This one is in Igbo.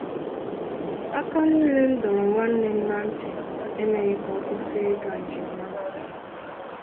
Aka niile m dọrọ nwanne m na ntị emeghị ka ọ kwụsị ịga njem ahụ